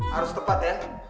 harus tepat ya